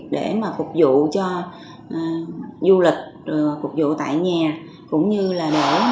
để phục vụ cho du lịch phục vụ tại nhà